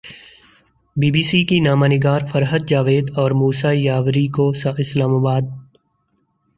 be B C کی نامہ نگار فرحت جاوید اور موسی یاوری کو اسلام آباد